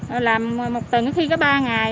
rồi làm một tuần khi có ba ngày